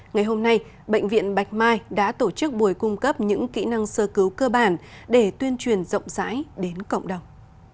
ngày hôm nay bệnh viện bạch mai đã tổ chức buổi cung cấp những kỹ năng sơ cứu cơ bản để tuyên truyền rộng rãi đến cộng đồng